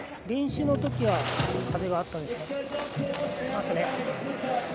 練習のときは風があったんですがね。